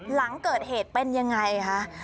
หลังเกิดเหตุเป็นยังไงคะ